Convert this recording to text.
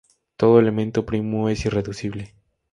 Todo elemento primo es irreducible.